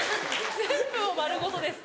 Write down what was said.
全部を丸ごとです。